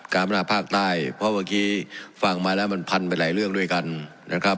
พนาภาคใต้เพราะเมื่อกี้ฟังมาแล้วมันพันไปหลายเรื่องด้วยกันนะครับ